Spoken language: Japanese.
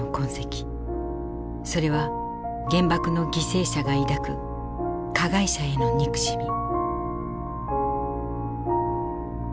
それは原爆の犠牲者が抱く加害者への憎しみ。